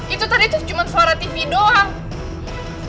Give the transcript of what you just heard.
itu tadi tuh cuma suara tv doang